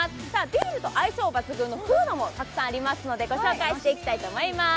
ビールと相性抜群のフードもたくさんありますので御紹介していきます。